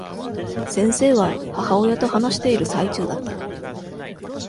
先生は、母親と話している最中だった。